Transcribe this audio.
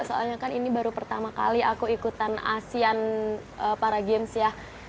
soalnya kan ini baru pertama kali aku ikutan asean para games ya